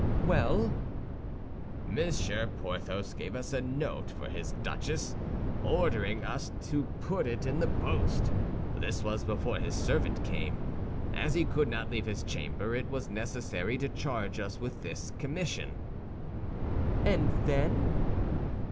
"Well?" "Monsieur Porthos gave us a note for his duchess, ordering us to put it in the post. This was before his servant came. As he could not leave his chamber, it was necessary to charge us with this commission." "And then?"